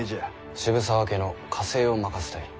渋沢家の家政を任せたい。